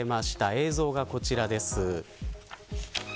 映像がこちらです。